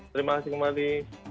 terima kasih kembali